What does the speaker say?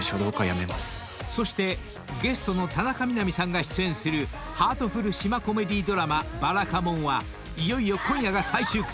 ［そしてゲストの田中みな実さんが出演するハートフル島コメディードラマ『ばらかもん』はいよいよ今夜が最終回。